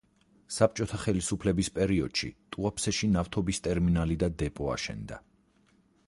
საბჭოთა ხელისუფლების პერიოდში ტუაფსეში ნავთობის ტერმინალი და დეპო აშენდა.